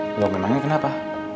wah memangnya kenapa